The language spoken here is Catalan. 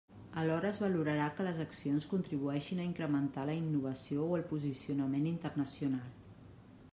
Alhora es valorarà que les accions contribueixin a incrementar la innovació o el posicionament internacional.